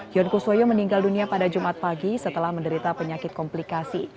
yon kuswoyo meninggal dunia pada jumat pagi setelah menderita penyakit komplikasi